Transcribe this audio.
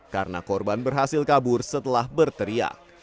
karena korban berhasil kabur setelah berteriak